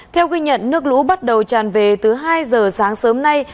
theo ghi nhận nước lũ bắt đầu tràn về từ hai giờ sáng sớm nay